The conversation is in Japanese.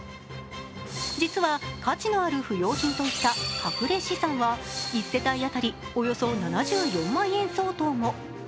実は、価値のある不用品といったかくれ資産は一世帯当たりおよそ７４万円相当も。